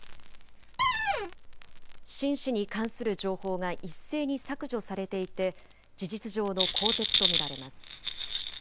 秦氏に関する情報が一斉に削除されていて、事実上の更迭と見られます。